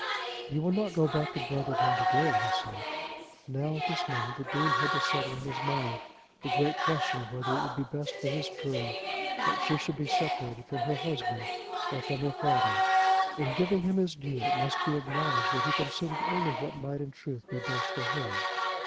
"You will not go back to Brotherton to day," he said. Now, at this moment the Dean had to settle in his mind the great question whether it would be best for his girl that she should be separated from her husband or from her father. In giving him his due it must be acknowledged that he considered only what might in truth be best for her.